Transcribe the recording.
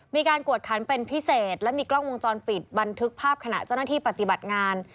กวดขันเป็นพิเศษและมีกล้องวงจรปิดบันทึกภาพขณะเจ้าหน้าที่ปฏิบัติงาน